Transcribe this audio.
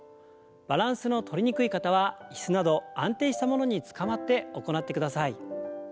バランスのとりにくい方は椅子など安定したものにつかまって行ってください。